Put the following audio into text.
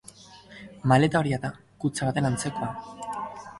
Maleta horia da, kutxa baten antzekoa.